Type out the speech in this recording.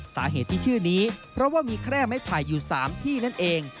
สาเหตุที่ชื่อนี้เพราะว่ามีแคร่ไม้ไผ่อยู่๓ที่นั่นเอง